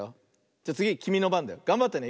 じゃつぎきみのばんだよ。がんばってね。